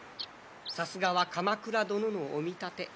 さすがは鎌倉殿のお見立て。